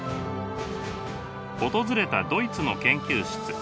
訪れたドイツの研究室。